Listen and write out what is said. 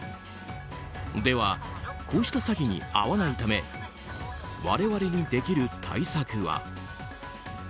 ではこうした詐欺に遭わないため我々にできる対策は。